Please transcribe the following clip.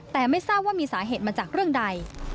แต่ไม่ทราบว่ามีสาเหตุมาจากเรื่องใด